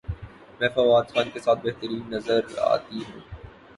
میں فواد خان کے ساتھ بہترین نظر اتی ہوں